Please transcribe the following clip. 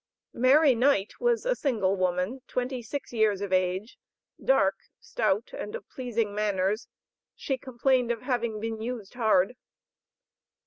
Mary Knight was a single woman, twenty six years of age, dark, stout, and of pleasing manners; she complained of having been used hard.